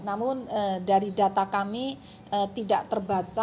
namun dari data kami tidak terbaca